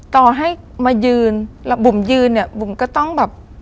ต่อให้มายืนบุ๋มยืนบุ๋มก็ต้องแบบ